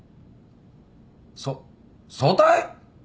そっ早退？